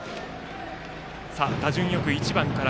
打順よく１番から。